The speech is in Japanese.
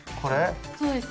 そうです。